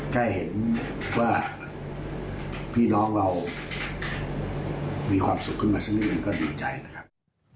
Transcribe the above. แค่เห็นว่าพี่น้องเรามีความสุขขึ้นมาสักนิดนึงก็ดีใจนะครับ